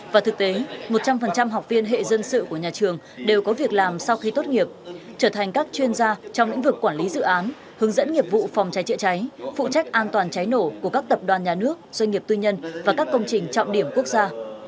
và thực tế một trăm linh học viên hệ dân sự của nhà trường đều có việc làm sau khi tốt nghiệp trở thành các chuyên gia trong lĩnh vực quản lý dự án hướng dẫn nghiệp vụ phòng cháy chữa cháy phụ trách an toàn cháy nổ của các tập đoàn nhà nước doanh nghiệp tư nhân và các công trình trọng điểm quốc gia